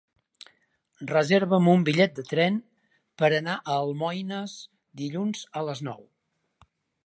Reserva'm un bitllet de tren per anar a Almoines dilluns a les nou.